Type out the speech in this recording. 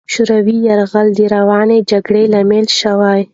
د شوروي یرغل د روانې جګړې لامل شو.